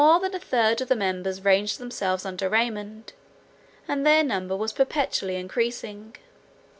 More than a third of the members ranged themselves under Raymond, and their number was perpetually encreasing.